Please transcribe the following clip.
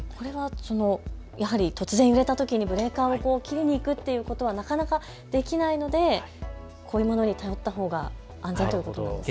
突然揺れたときにブレーカーを切りに行くということがなかなかできないのでこういうものに頼ったほうが安全ということですね。